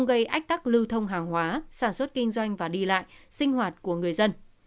gây ách tắc lưu thông hàng hóa sản xuất kinh doanh và đi lại sinh hoạt của người dân